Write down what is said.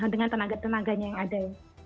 dengan tenaga tenaganya yang ada